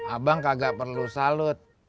abang kagak perlu salut